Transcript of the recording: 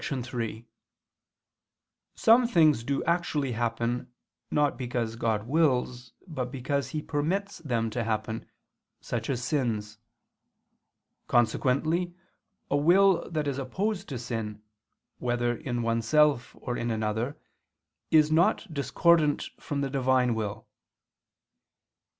3: Some things do actually happen, not because God wills, but because He permits them to happen such as sins. Consequently a will that is opposed to sin, whether in oneself or in another, is not discordant from the Divine will.